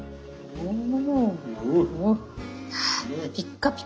うん。